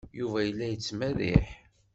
Yuba yella yettmerriḥ.